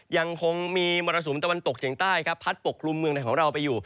ยังคงมีมรสุมตะวันตกเฉียงใต้ครับพัดปกคลุมเมืองในของเราไปอยู่